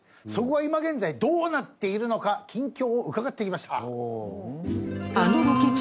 そこが今現在どうなっているのか近況を伺ってきました。